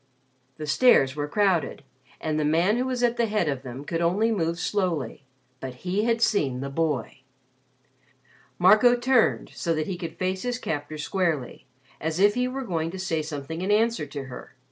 The stairs were crowded and the man who was at the head of them could only move slowly. But he had seen the boy. Marco turned so that he could face his captor squarely as if he were going to say something in answer to her.